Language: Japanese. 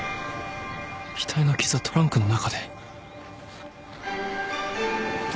額の傷はトランクの中で。